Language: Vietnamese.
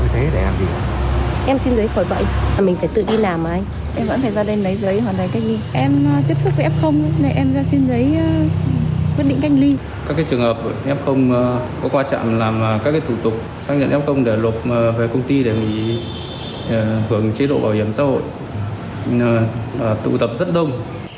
f có quá trạng làm các thủ tục xác nhận f để lột về công ty để bị hưởng chế độ bảo hiểm xã hội tụ tập rất đông